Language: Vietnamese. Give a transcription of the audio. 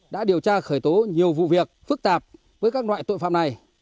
đã điều tra khởi tố nhiều vụ việc phức tạp với các loại tội phạm này